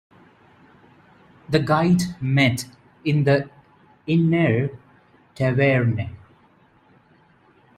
The guild met in the Innere Taverne.